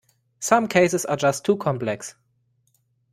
Some cases are just too complex.